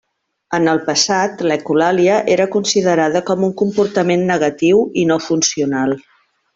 En el passat, l'ecolàlia era considerada com un comportament negatiu i no funcional.